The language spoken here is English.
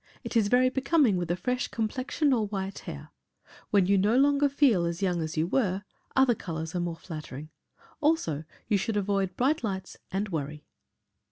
It is very becoming with a fresh complexion or white hair. When you no longer feel as young as you were, other colours are more flattering. Also, you should avoid bright lights and worry."